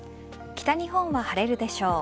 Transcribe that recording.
北日本は晴れるでしょう。